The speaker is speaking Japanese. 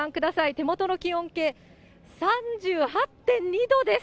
手元の気温計、３８．２度です。